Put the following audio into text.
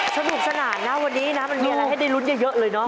สนุกสนานนะวันนี้นะมันมีอะไรให้ได้ลุ้นเยอะเลยเนาะ